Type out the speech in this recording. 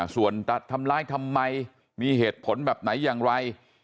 ส่วนทำร้ายทำไมมีเหตุผลแบบไหนอย่างไร